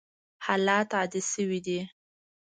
حالات عادي شوي دي.